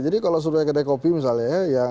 jadi kalau sudah ada kopi misalnya